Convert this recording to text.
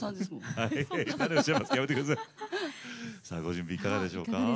さあご準備いかがでしょうか。